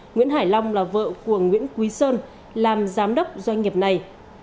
nguyễn hải long là vợ của nguyễn quý sơn làm giám đốc doanh nghiệp này